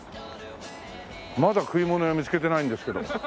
まだ食い物屋見つけてないんですけど。